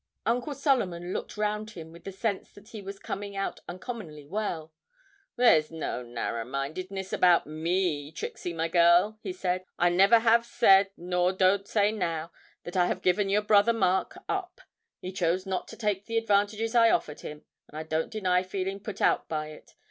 Uncle Solomon looked round him with the sense that he was coming out uncommonly well. 'There's no narrermindedness about me, Trixie, my girl,' he said; 'I never have said, nor I don't say now, that I have given your brother Mark up; he chose not to take the advantages I offered him, and I don't deny feeling put out by it.